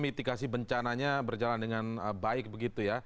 mitigasi bencananya berjalan dengan baik begitu ya